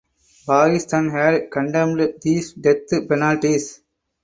Pakistan had condemned these death penalties.